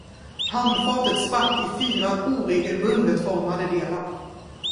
Handfatet sprack i fyra oregelbundet formade delar.